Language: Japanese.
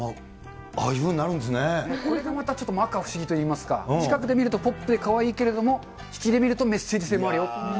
これがまた、ちょっとまか不思議といいますか、近くで見ると、ポップでかわいいけれども、引きで見るとメッセージ性もあるよっていう。